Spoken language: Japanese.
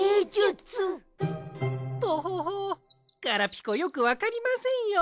トホホガラピコよくわかりませんよ。